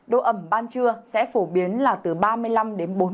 độ ẩm ban trưa sẽ phổ biến là từ ba mươi năm đến bốn mươi năm